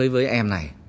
với em này